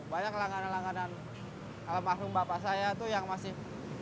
banyak langganan langganan almarhum bapak saya itu yang masih